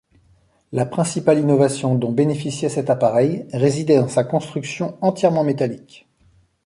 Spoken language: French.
La principale innovation dont bénéficiait cet appareil résidait dans sa construction entièrement métallique.